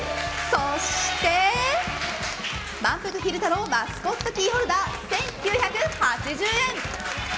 そして、まんぷく昼太郎マスコットキーホルダー１９８０円。